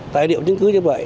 tài liệu chứng cứ như vậy